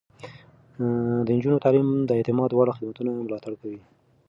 د نجونو تعليم د اعتماد وړ خدمتونه ملاتړ کوي.